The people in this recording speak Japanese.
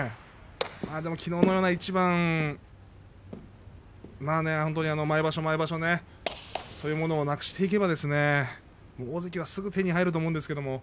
まあ、きのうのような一番そういうものをなくしていけば大関はすぐ手に入ると思うんですがね。